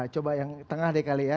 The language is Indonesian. coba yang tengah deh kali ya